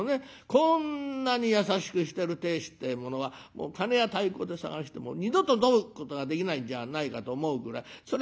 こんなに優しくしてる亭主ってえものは鉦や太鼓で探しても二度と添うことができないんじゃないかと思うぐらいそら